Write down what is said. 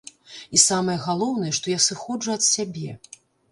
І самае галоўнае, што я сыходжу ад сябе.